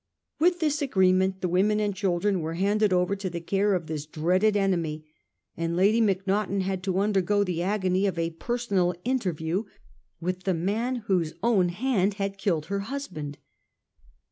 With this agreement the women and children were handed over to the care of this dreaded enemy, and Lady Macnaghten had to undergo the agony of a personal interview with the man whose own hand had killed her husband.